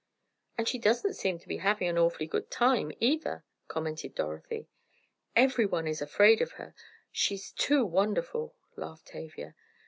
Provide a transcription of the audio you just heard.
"And she doesn't seem to be having an awfully good time either," commented Dorothy. "Everyone is afraid of her—she's too wonderful!" laughed Tavia.